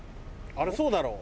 あれそうだろう。